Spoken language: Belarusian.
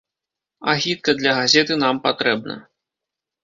Агітка для газеты нам патрэбна.